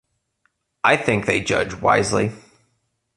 I think they judge wisely.